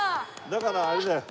だからあれだよ。